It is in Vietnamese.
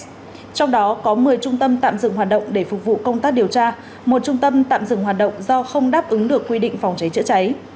trong đó có một mươi trung tâm tạm dừng hoạt động để phục vụ công tác điều tra một trung tâm tạm dừng hoạt động do không đáp ứng được quy định phòng cháy chữa cháy